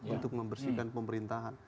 untuk membersihkan pemerintahan